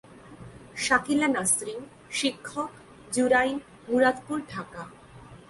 শাকিলা নাছরিনশিক্ষক, জুরাইন, মুরাদপুর, ঢাকা।